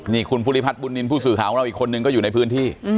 นี่คุณภูริพัฒนบุญนินทร์ผู้สื่อข่าวของเราอีกคนนึงก็อยู่ในพื้นที่